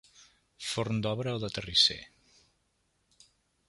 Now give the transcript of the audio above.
Forn d'obra o de terrisser.